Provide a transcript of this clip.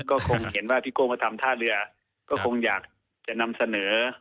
ก็คงเห็นว่าพี่โก้มาทำท่าเรือก็คงอยากจะนำเสนอ